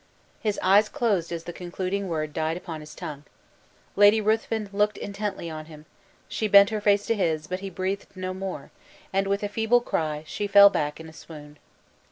His eyes closed as the concluding word died upon his tongue. Lady Ruthven looked intently on him; she bent her face to his, but he breathed no more; and, with a feeble cry, she fell back in a swoon.